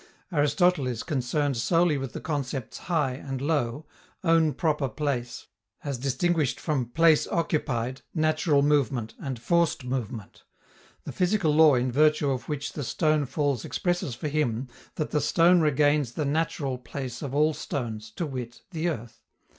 Aristotle is concerned solely with the concepts "high" and "low," "own proper place" as distinguished from "place occupied," "natural movement" and "forced movement;" the physical law in virtue of which the stone falls expresses for him that the stone regains the "natural place" of all stones, to wit, the earth.